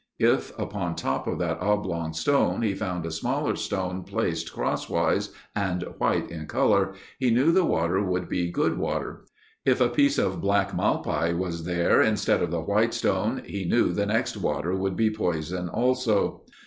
If, upon top of that oblong stone he found a smaller stone placed crosswise and white in color, he knew the water would be good water. If a piece of black malpai was there instead of the white stone, he knew the next water would be poison also.